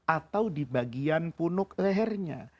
atau di bagian punuk lehernya